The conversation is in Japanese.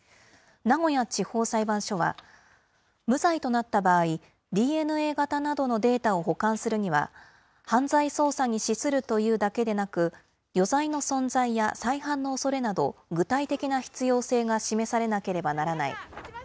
名古屋地方裁判所は、無罪となった場合、ＤＮＡ型などのデータを保管するには、犯罪捜査に資するというだけでなく、余罪の存在や再犯のおそれなど、具体的な必要性が示されなければならない。